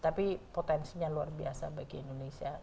tapi potensinya luar biasa bagi indonesia